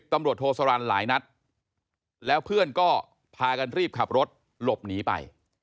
ตำรวจโทสรรหลายนัดแล้วเพื่อนก็พากันรีบขับรถหลบหนีไป